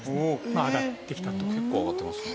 結構上がってますね。